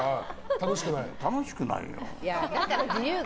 楽しくないよ。